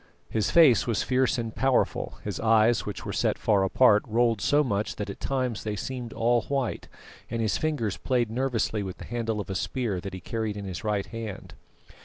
His face was fierce and powerful; his eyes, which were set far apart, rolled so much that at times they seemed all white; and his fingers played nervously with the handle of a spear that he carried in his right hand.